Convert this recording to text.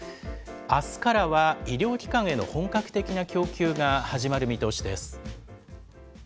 あすからは医療機関への本格的な供給が始まる見通しです。